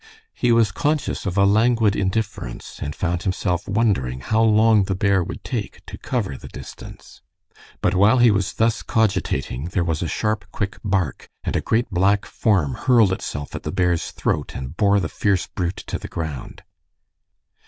He was conscious of a languid indifference, and found himself wondering how long the bear would take to cover the distance. But while he was thus cogitating there was a sharp, quick bark, and a great black form hurled itself at the bear's throat and bore the fierce brute to the ground.